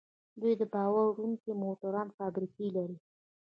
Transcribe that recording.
دوی د بار وړونکو موټرو فابریکې لري.